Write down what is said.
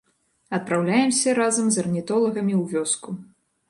Адпраўляемся разам з арнітолагамі ў вёску.